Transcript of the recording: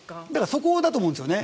そこだと思うんですよね。